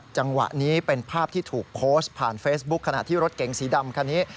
ตัวนนี้เป็นภาพที่ถูกโภสต์ผ่านใหญ่ขณะที่รถเก๋งสีดำ